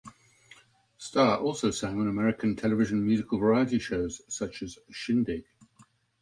Starr also sang on American television musical variety shows such as Shindig!